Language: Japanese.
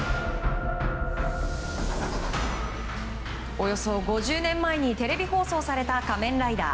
およそ５０年前にテレビ放送された「仮面ライダー」。